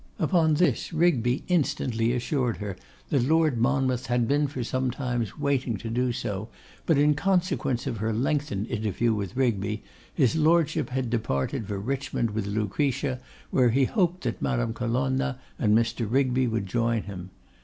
Upon this Rigby instantly assured her, that Lord Monmouth had been for some time waiting to do so, but in consequence of her lengthened interview with Rigby, his Lordship had departed for Richmond with Lucretia, where he hoped that Madame Colonna and Mr. Rigby would join him.